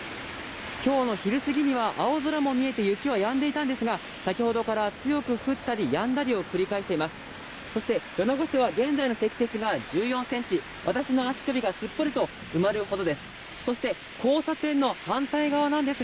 今日の昼過ぎには青空も見えて、雪はやんでいたんですが先ほどから強く降ったりやんだりを繰り返しています。